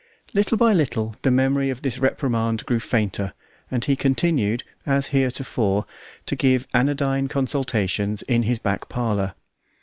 Little by little the memory of this reprimand grew fainter, and he continued, as heretofore, to give anodyne consultations in his back parlour.